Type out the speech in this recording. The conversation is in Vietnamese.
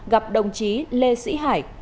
gặp đồng chí lê sĩ hải